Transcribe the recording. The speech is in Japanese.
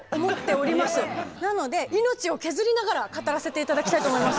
なので命を削りながら語らせて頂きたいと思います。